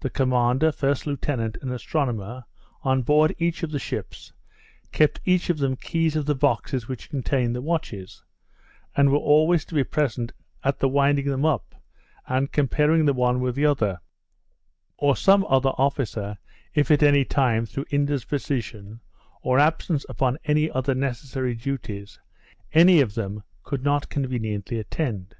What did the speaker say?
The commander, first lieutenant, and astronomer, on board each, of the ships, kept each of them keys of the boxes which contained the watches, and were always to be present at the winding them up, and comparing the one with the other; or some other officer, if at any time, through indisposition, or absence upon any other necessary duties, any of them could not conveniently attend.